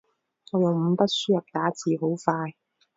我用五筆輸入打字好快